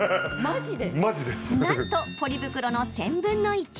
なんとポリ袋の１０００分の１。